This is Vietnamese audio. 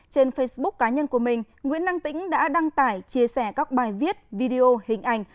trên facebook cá nhân của mình nguyễn năng tĩnh đã đăng tải chia sẻ các bài viết video hình ảnh